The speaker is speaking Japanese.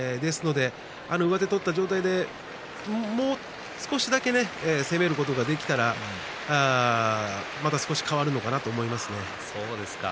上手を取った状態でもう少しだけ攻めることができたらまた少し変わるのかなと思いますね。